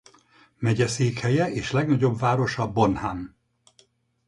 Megyeszékhelye és legnagyobb városa Bonham.